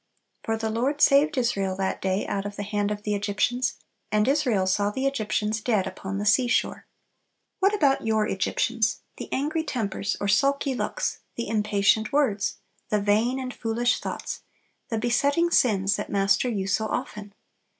For "the Lord saved Israel that day out of the hand of the Egyptians, and Israel saw the Egyptians dead upon the sea shore." What about your Egyptians? the angry tempers or sulky looks, the impatient words, the vain and foolish thoughts, the besetting sins that master you so often.